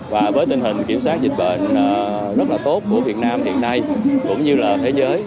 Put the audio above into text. và với tình hình kiểm soát dịch bệnh rất là tốt của việt nam hiện nay cũng như là thế giới